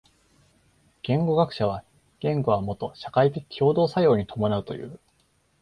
言語学者は言語はもと社会的共同作用に伴うという。